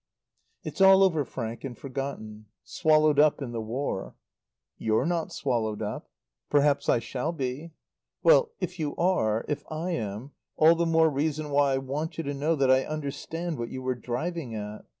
"It's all over, Frank, and forgotten. Swallowed up in the War." "You're not swallowed up." "Perhaps I shall be." "Well, if you are if I am all the more reason why I want you to know that I understand what you were driving at.